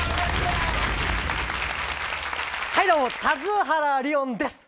はいどうも、田津原理音です。